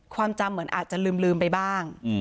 ความจำเหมือนอาจจะลืมไปบ้าง